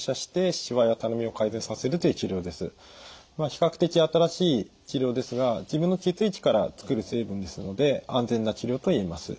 比較的新しい治療ですが自分の血液から作る成分ですので安全な治療と言えます。